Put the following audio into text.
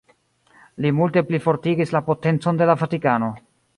Li multe plifortigis la potencon de la Vatikano.